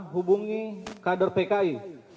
hubungi kader pki